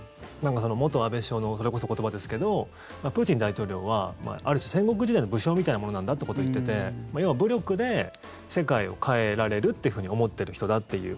安倍元首相のそれこそお言葉ですけどプーチン大統領はある種、戦国時代の武将みたいなものなんだってことを言ってて要は武力で世界を変えられるって思っている人だっていう。